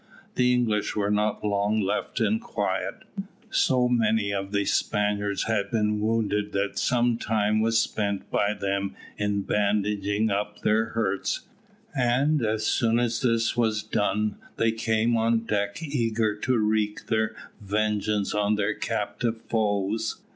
The English were not long left in quiet. So many of the Spaniards had been wounded that some time was spent by them in bandaging up their hurts, and as soon as this was done they came on deck eager to wreak their vengeance on their captive foes.